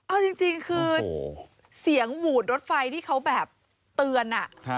โอ้จริงจริงคือเสียงหวูดรถไฟที่เขาแบบเตือนอ่ะครับ